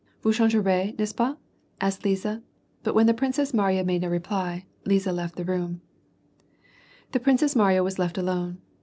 *• Vous changerez^ iCest ce pas?^^ asked Liza, but when the Princess Mariya made no reply, Liza left the room. The Princess Mariya was left alone.